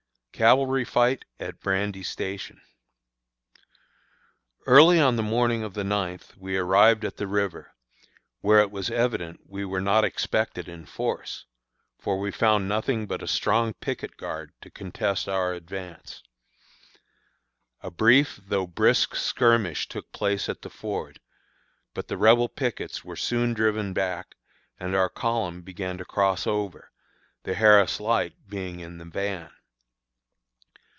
CAVALRY FIGHT AT BRANDY STATION. Early on the morning of the ninth we arrived at the river, where it was evident we were not expected in force, for we found nothing but a strong picket guard to contest our advance. A brief though brisk skirmish took place at the ford, but the Rebel pickets were soon driven back and our column began to cross over, the Harris Light being in the van.